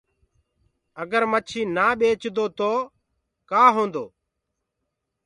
اگر مڇي نآ ٻيچدو تو ڪآ هوندو